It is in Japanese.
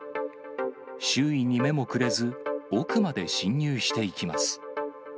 周囲に目もくれず、奥まで侵入していきます。